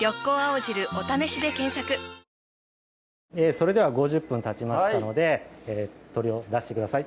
それでは５０分たちましたので鶏を出してください